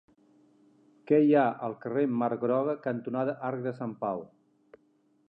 Què hi ha al carrer Mar Groga cantonada Arc de Sant Pau?